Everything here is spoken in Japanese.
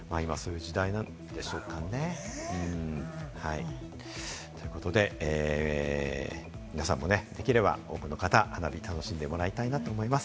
今、そういう時代なんでしょうかね。ということでね、皆さんもできれば多くの方、花火を楽しんでもらいたいなと思います。